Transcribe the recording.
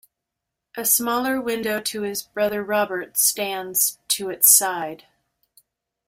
A smaller window to his brother Robert stands to its side.